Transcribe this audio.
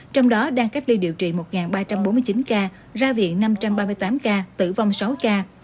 trong đó đang cách ly điều trị một ba trăm bốn mươi chín ca ra viện năm trăm ba mươi tám ca tử vong sáu ca